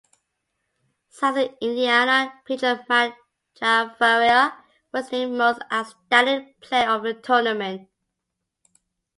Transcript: Southern Indiana pitcher Matt Chavarria was named most outstanding player of the tournament.